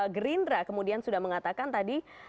gerindra kemudian sudah mengatakan tadi